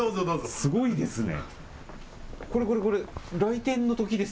すごいですね。